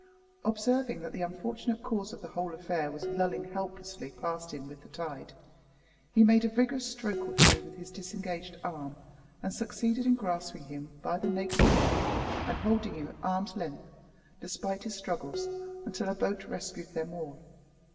Observing that the unfortunate cause of the whole affair was lulling helplessly past him with the tide, he made a vigorous stroke or two with his disengaged arm, and succeeded in grasping him by the nape of the neck, and holding him at arm's length, despite his struggles, until a boat rescued them all.